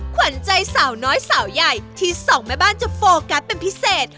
ขวัญใจสาวน้อยสาวใหญ่ที่สองแม่บ้านจะโฟกัสเป็นพิเศษ